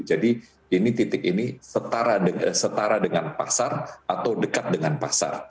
jadi ini titik ini setara dengan pasar atau dekat dengan pasar